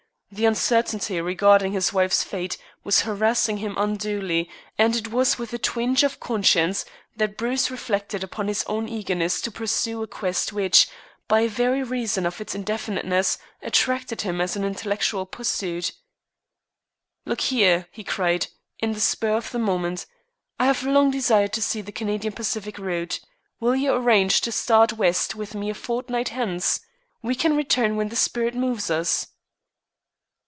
The uncertainty regarding his wife's fate was harassing him unduly and it was with a twinge of conscience that Bruce reflected upon his own eagerness to pursue a quest which, by very reason of its indefiniteness, attracted him as an intellectual pursuit. "Look here," he cried, on the spur of the moment, "I have long desired to see the Canadian Pacific route. Will you arrange to start West with me a fortnight hence? We can return when the spirit moves us."